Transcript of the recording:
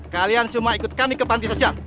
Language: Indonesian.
kalian semua ikut kami ke panti sosial